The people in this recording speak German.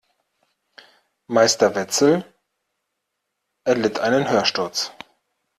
Meister Wetzel erlitt einen Hörsturz.